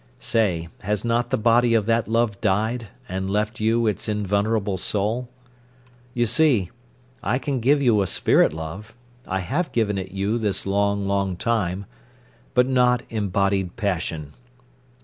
Say, has not the body of that love died, and left you its invulnerable soul? You see, I can give you a spirit love, I have given it you this long, long time; but not embodied passion.